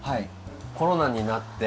コロナになって。